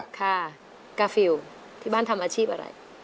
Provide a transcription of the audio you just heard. ค่ะกาฟิลที่บ้านทำอาชีพอะไร